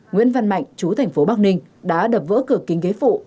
nguyễn văn mạnh chú thành phố bắc ninh đã đập vỡ cửa kính ghế phụ